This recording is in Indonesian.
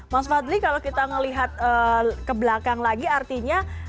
mas fadli kalau kita melihat ke belakang lagi artinya